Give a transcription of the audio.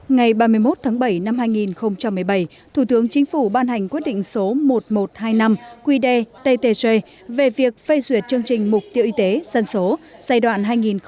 ngày ba mươi một tháng bảy năm hai nghìn một mươi bảy thủ tướng chính phủ ban hành quyết định số một nghìn một trăm hai mươi năm qd ttc về việc phê duyệt chương trình mục tiêu y tế dân số giai đoạn hai nghìn một mươi sáu hai nghìn hai mươi